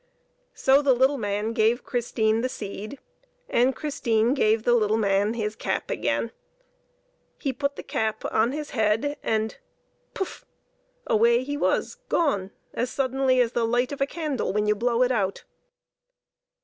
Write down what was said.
So the little man gave Christine the seed, and Christine gave the little man his cap again. He put the cap on his head, and puff! away he was gone, as suddenly as the light of a candle when you blow it out.